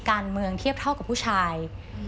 การเมืองเทียบเท่ากับผู้ชาย